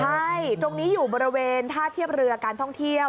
ใช่ตรงนี้อยู่บริเวณท่าเทียบเรือการท่องเที่ยว